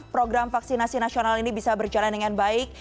program vaksinasi nasional ini bisa berjalan dengan baik